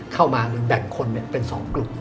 เข้ามาหรือแบ่งคนเป็น๒กลุ่ม